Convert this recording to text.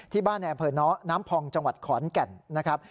ที่บ้านแอบเผินน้องน้ำพรองจังหวัดขอร์นแก่นนะครับ